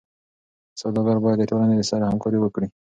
سوداګر باید د ټولنې سره همکاري وکړي.